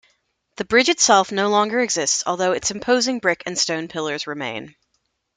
The bridge itself no longer exists, although its imposing brick and stone pillars remain.